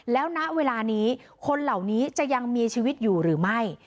แล้วณเวลานี้คนเหล่านี้จะยังมีชีวิตอยู่หรือไม่